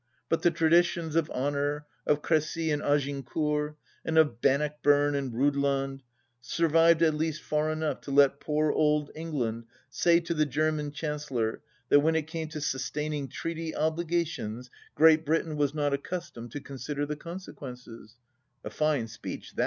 . But the traditions of honour, of Crdcy and Agincourt — and of Bannockburn and Rhudland — survived at least far enough to let poor old England say to the German Chancellor that when it came to sustaining treaty obligations Great Britain was not accus tomed to consider the consequences I A fine speech tha.